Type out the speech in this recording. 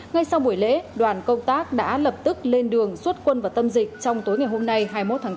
ngay sau buổi lễ đoàn công tác đã lập tức lên đường xuất quân vào tâm dịch trong tối ngày hôm nay hai mươi một tháng tám